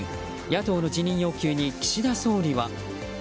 野党の辞任要求に岸田総理は。